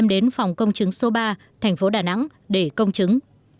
bà vân đem đến phòng công chứng số ba thành phố đà nẵng để công chứng